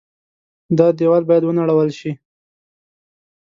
دا دېوال باید ونړول شي.